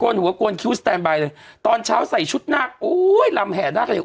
นหัวโกนคิ้วสแตนบายเลยตอนเช้าใส่ชุดนาคโอ้ยลำแห่หน้ากันอยู่